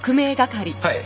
はい。